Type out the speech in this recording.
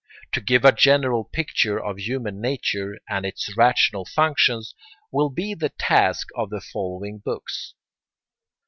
To give a general picture of human nature and its rational functions will be the task of the following books.